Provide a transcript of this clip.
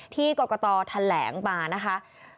ที่กรกฎอธแหลงมานะคะ